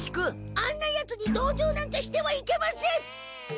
あんなヤツにどうじょうなんかしてはいけません！